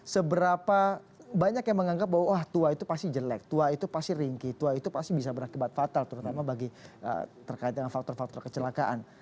seberapa banyak yang menganggap bahwa wah tua itu pasti jelek tua itu pasti ringki tua itu pasti bisa berakibat fatal terutama bagi terkait dengan faktor faktor kecelakaan